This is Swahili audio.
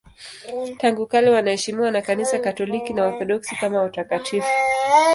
Tangu kale wanaheshimiwa na Kanisa Katoliki na Waorthodoksi kama watakatifu.